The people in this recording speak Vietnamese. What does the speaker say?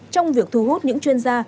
trong việc thu hút những chuyên gia